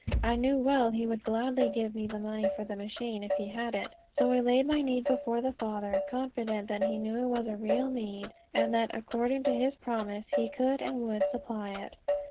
I knew well he would gladly give me money for the machine if he had it. So I laid my need before my Father, confident that he knew it was a real need, and that according to his promise he could and would supply it.